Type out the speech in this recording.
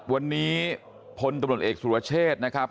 วันนี้พลตำรวจเอกสุรเชษนะครับ